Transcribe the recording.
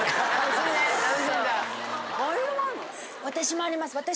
私もあります。